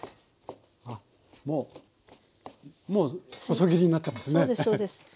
もうもう細切りになってますね。